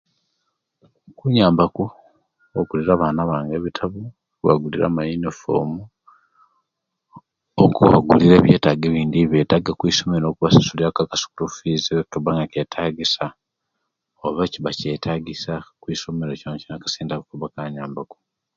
Bunyamba ku okugulira abaana bange ebitabo, okubagulira amayunifoomu, okubagulira ebyetago ebindi ebyetaga okwisomero; okusasulira ku akassente akeisomero, okubanga kyeetagisya, oba owekiba kyetagisya kwisomero kyonakyona, obusenta obwo kanyambaku.